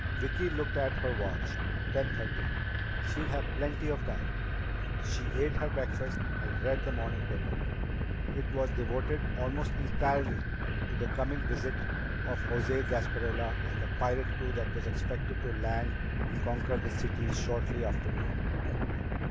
Vicki looked at her watch. Ten thirty. She'd have plenty of time. She ate her breakfast and read the morning paper. It was devoted almost entirely to the coming visit of the José Gasparilla and the pirate crew that was expected to land and conquer the city shortly after noon.